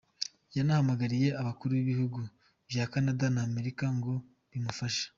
Yanahamagariye abakuru b'ibihugu vya Canada na Amerika ngo bimufashe.